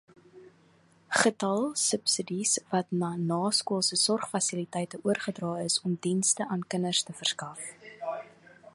Getal subsidies wat na naskoolse sorgfasiliteite oorgedra is om dienste aan kinders te verskaf.